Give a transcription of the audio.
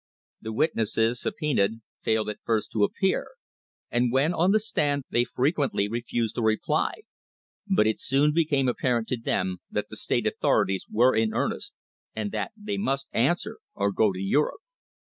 The witnesses subpoenaed failed at first to appear, and when on the stand they frequently refused to reply; but it soon became apparent to them that the state authorities were in earnest, and that they must "answer or go to Europe."